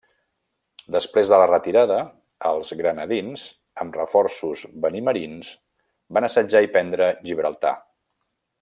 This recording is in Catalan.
Després de la retirada, els granadins, amb reforços benimerins van assetjar i prendre Gibraltar.